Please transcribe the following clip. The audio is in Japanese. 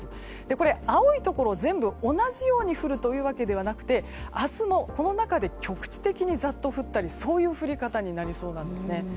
これは青いところは全部同じように降るというわけではなくて明日もこの中で局地的にザッと降ったりそういう降り方になりそうなんですね。